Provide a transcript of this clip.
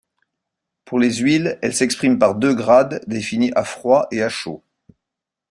Pour les huiles, elle s'exprime par deux grades définis à froid et à chaud.